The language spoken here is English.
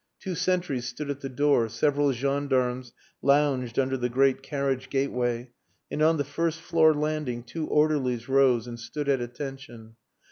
Two sentries stood at the door, several gendarmes lounged under the great carriage gateway, and on the first floor landing two orderlies rose and stood at attention.